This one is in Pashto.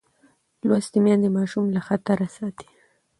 لوستې میندې ماشوم له خطره ساتي.